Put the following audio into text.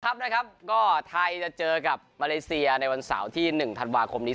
นะครับก็ไทยจะเจอกับมาเลเซียในวันเสาร์ที่๑ธันวาคมนี้